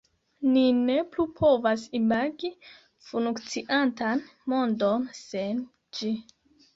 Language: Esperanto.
Ni ne plu povas imagi funkciantan mondon sen ĝi.